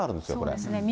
そうですね。